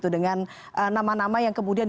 dengan nama nama yang kemudian